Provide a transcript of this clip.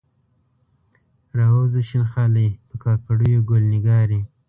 راووځه شین خالۍ، په کاکړیو ګل نګارې